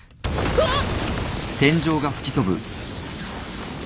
うわっ！